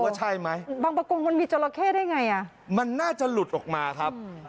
ปรากฏว่ามันใช่จริงครับ